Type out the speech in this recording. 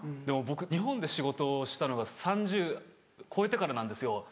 でも僕日本で仕事をしたのが３０超えてからなんですよ。